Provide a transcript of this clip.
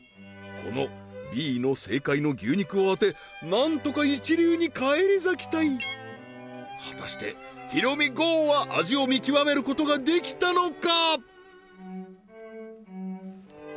このＢの正解の牛肉を当てなんとか一流に返り咲きたい果たしてひろみＧＯは味を見極めることができたのか？